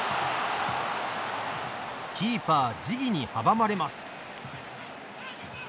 キーパー、ジギに阻まれます。